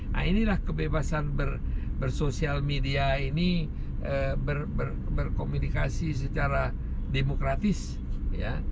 nah inilah kebebasan bersosial media ini berkomunikasi secara demokratis ya